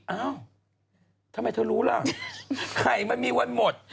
เอ้าทำไมเธอรู้ล่ะไข่มันมีวันหมด